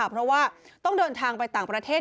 เพราะว่าต้องเดินทางไปต่างประเทศ